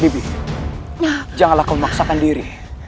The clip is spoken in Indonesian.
janganlah kau memaksakan diri